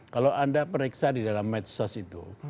kalau anda periksa di dalam medsos itu